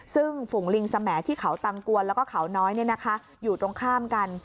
ซึ่งฝุงลิงสมัยที่เขาตังกวนแล้วก็เขาน้อยอยู่ตรงข้ามกัน